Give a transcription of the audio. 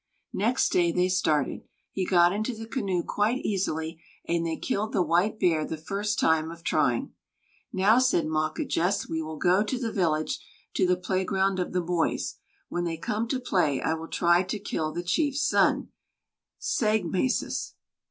Next day they started; he got into the canoe quite easily, and they killed the white bear the first time of trying. "Now," said Mawquejess, "we will go to the village, to the playground of the boys. When they come to play, I will try to kill the chief's son [Sāgmasis]."